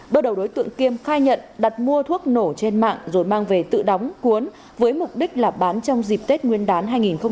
bước đầu đối tượng kiêm khai nhận đặt mua thuốc nổ trên mạng rồi mang về tự đóng cuốn với mục đích là bán trong dịp tết nguyên đán hai nghìn hai mươi